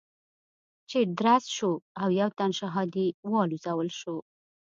چې درز شو او يو تن شهادي والوزول شو.